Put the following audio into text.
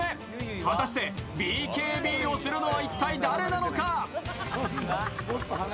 果たしてＢＫＢをするのは一体誰なのか？